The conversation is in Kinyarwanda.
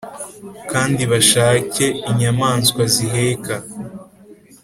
Kandi bashake inyamaswa ziheka